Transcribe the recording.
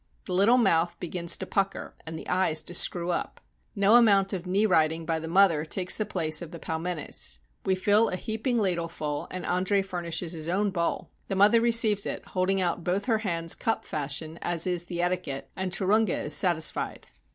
The little mouth be gins to pucker and the eyes to screw up. No amount of knee riding by the mother takes the place of the pel menes. We fill a heaping ladleful and Andre furnishes his own bowl. The mother receives it, holding out both her hands cup fashion as is the etiquette, and Turunga is satisfied.